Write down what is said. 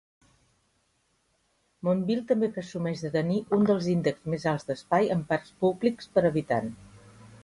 Mountville també presumeix de tenir un dels índexs més alts d'espai amb parcs públic per habitant.